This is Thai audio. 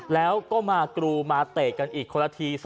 แล้วก็มากรูมาเตะกันอีกคนละที